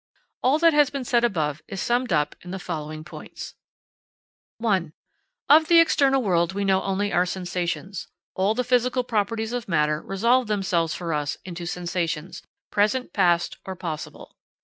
All that has been said above is summed up in the following points: 1. Of the external world, we only know our sensations. All the physical properties of matter resolve themselves for us into sensations, present, past, or possible.